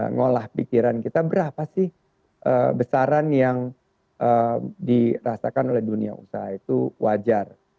ngolah pikiran kita berapa sih besaran yang dirasakan oleh dunia usaha itu wajar